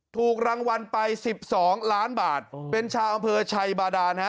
ถูกรางวัลไป๑๒ล้านบาทเป็นชาวอำเภอชัยบาดานฮะ